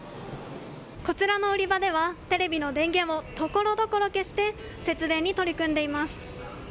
こちらの売り場ではテレビの電源もところどころ消して節電に取り組んでいます。